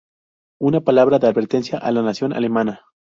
Una palabra de advertencia a la Nación Alemana.